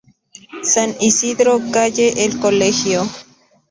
San Isidro, Calle el Colegio.